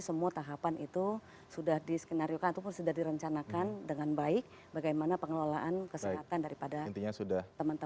semua tahapan itu sudah diskenariokan ataupun sudah direncanakan dengan baik bagaimana pengelolaan kesehatan daripada teman teman